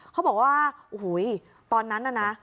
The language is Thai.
เขาบอกว่าโอ้โหตอนนั้นน่ะนะ